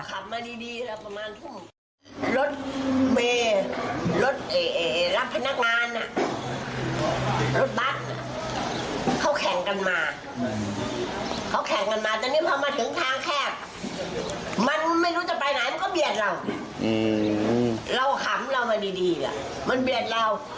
เราขำเรามาดีแหละมันเบียดเรา